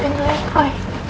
di sini ada roy